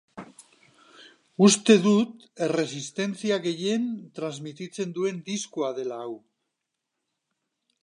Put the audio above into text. Uste dut erresistentzia gehien trasmititzen duen diskoa dela hau.